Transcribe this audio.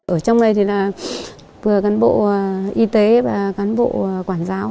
ở trong này thì là vừa cán bộ y tế và cán bộ quản giáo